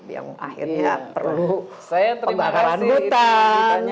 yang akhirnya perlu pembakaran hutan